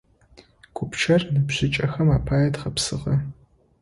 Гупчэр ныбжьыкӏэхэм апае дгъэпсыгъэ.